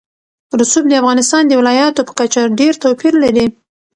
رسوب د افغانستان د ولایاتو په کچه ډېر توپیر لري.